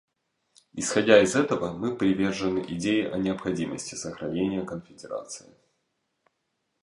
Исходя из этого, мы привержены идее о необходимости сохранения Конференции.